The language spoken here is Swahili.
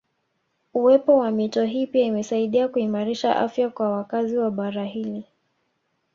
Uwepo wa mito hii pia imesaidia kuimarisha afya kwa wakazi wa bara hili